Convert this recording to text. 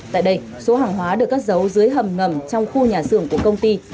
tại đây số hàng hóa được cất giấu dưới hầm ngầm trong khu nhà xưởng của công ty